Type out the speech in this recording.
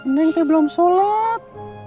neng teh belum sholat